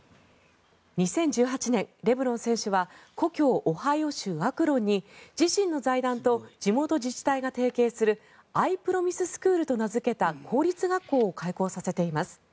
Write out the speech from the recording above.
２０１８年、レブロン選手は故郷オハイオ州アクロンに自身の財団と地元自治体が提携するＩＰｒｏｍｉｓｅスクールと名付けた公立学校を開校させています。